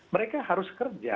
mereka harus kerja